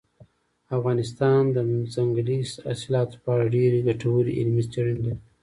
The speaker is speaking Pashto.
افغانستان د ځنګلي حاصلاتو په اړه ډېرې ګټورې علمي څېړنې لري.